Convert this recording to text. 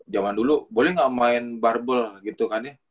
jaman dulu boleh gak main barbell gitu kan ya